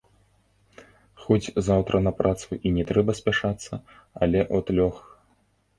Хоць заўтра на працу і не трэба спяшацца, але от лёг.